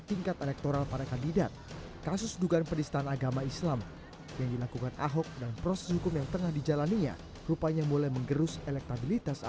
ini kalau kita totalkan kurang lebih hampir lima puluh persen ya